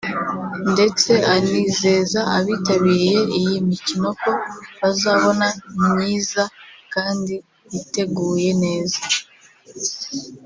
ndetse anizeza abitabiriye iyi mikino ko bazabona myiza kandi iteguye neza